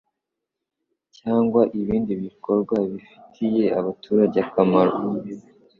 cyangwa ibindi bikorwa bifitiye abaturage akamaro,